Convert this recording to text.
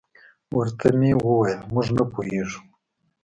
ورته مې وویل: موږ نه پوهېږو.